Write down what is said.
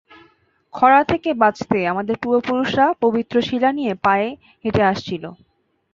খরা থেকে বাঁচতে, আমাদের পূর্বপুরুষরা পবিত্র শিলা নিয়ে পায়ে হেঁটে আসছিল।